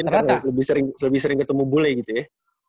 kan lebih sering ketemu bule gitu ya